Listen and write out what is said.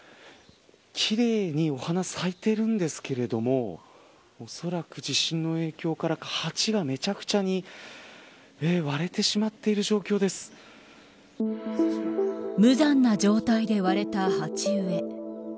奇麗にお花咲いているんですけれどもおそらく、地震の影響からか鉢がめちゃくちゃに割れてしまっ無残な状態で割れた鉢植え。